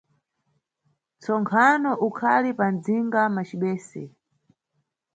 Ntsonkhano ukhali pa mdzinga macibese.